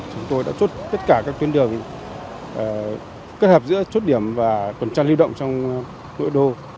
chúng tôi đã chốt tất cả các tuyến đường kết hợp giữa chốt điểm và tuần tra lưu động trong nội đô